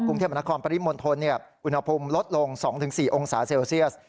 กรุงเทพมนครปริมณฑลอุณหภูมิลดลง๒๔องศาเซลเซียส